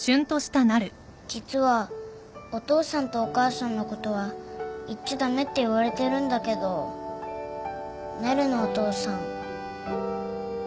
実はお父さんとお母さんのことは言っちゃ駄目って言われてるんだけどなるのお父さん。